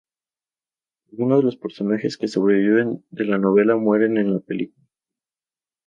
Algunos de los personajes que sobreviven en la novela mueren en la película.